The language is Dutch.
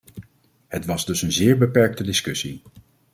Het was dus een zeer beperkte discussie.